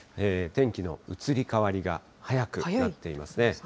天気の移り変わりが早くなっていますね。